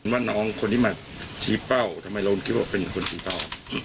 ว่าน้องคนที่มาชี้เป้าทำไมเราคิดว่าเป็นคนชี้เป้า